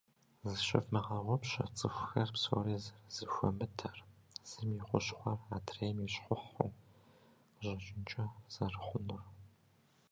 Зыщывмыгъэгъупщэ цӏыхухэр псори зэрызэхуэмыдэр, зым и хущхъуэр адрейм и щхъухьу къыщӏэкӏынкӏэ зэрыхъунур.